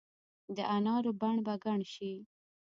دا نارو بڼ به ګڼ شي